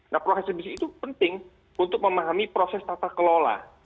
nah proses bisnis itu penting untuk memahami proses tata kelola